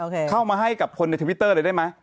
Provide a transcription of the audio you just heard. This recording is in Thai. เข้ามาให้กับคนในทวิตเตอร์เลยได้ไหม